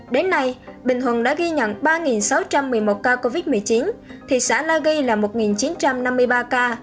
đến nay bình thuận đã ghi nhận ba sáu trăm một mươi một ca covid một mươi chín thị xã la ghi là một chín trăm năm mươi ba ca